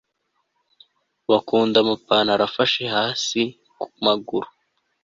bakunda amapantaro afashe hasi kumaguru